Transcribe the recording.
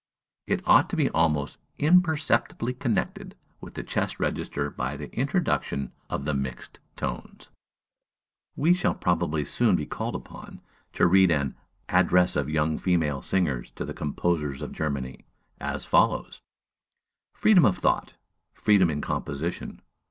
It ought to be almost imperceptibly connected with the chest register by the introduction of the mixed tones. We shall probably soon be called upon to read an "Address of Young Female Singers to the Composers of Germany," as follows: "Freedom of thought! freedom in composition!